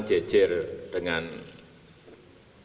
kebetulan jejer dengan istri saya di sini presiden trump di sini saya di sini